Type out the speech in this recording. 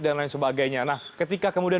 dan lain sebagainya nah ketika kemudian